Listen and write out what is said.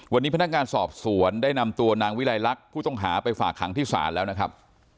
วันนี้พนักงานสอบสวนได้นำตัวนางวิลัยลักษณ์ผู้ต้องหาไปฝากขังที่ศาลแล้วนะครับ